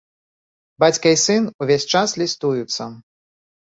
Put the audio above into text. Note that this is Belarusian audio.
Бацька і сын увесь час лістуюцца.